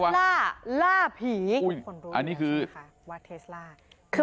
อุ้ยอันนี้คือ